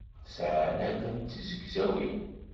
Sɛan allen d tizegzawin.